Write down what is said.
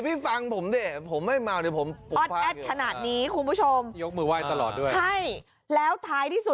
เข้าปริมาณแอลกอธอร์๒๒๘มิลลิเมตร